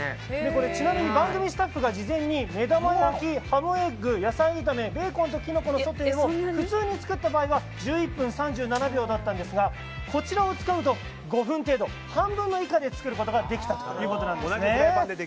ちなみに番組スタッフが事前に目玉焼き、ハムエッグベーコンとキノコのソテーを普通に作った場合は１１分３７秒だったんですがこちらを使うと５分程度半分以下で作ることができたということです。